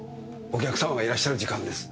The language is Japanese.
お客様がいらっしゃる時間です。